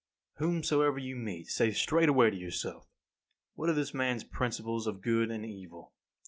14. Whomsoever you meet, say straightway to yourself: What are this man's principles of good and evil?